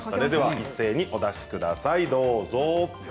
一斉にお出しください。